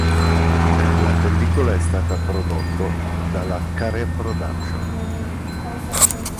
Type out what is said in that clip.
La pellicola è stata prodotto dalla Karé Productions.